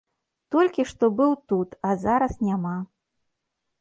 Толькі што быў тут, а зараз няма.